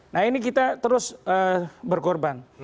nah ini kita terus berkorban